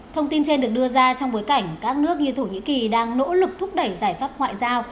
thông tin trên được đưa ra trong bối cảnh các nước như thổ nhĩ kỳ đang nỗ lực thúc đẩy giải pháp ngoại giao